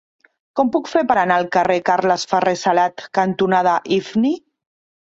Com ho puc fer per anar al carrer Carles Ferrer Salat cantonada Ifni?